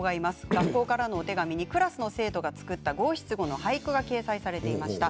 学校からのお手紙にクラスの生徒が作った五七五の俳句が掲載されていました。